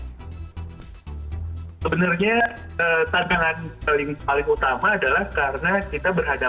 sebenarnya tantangan apa ya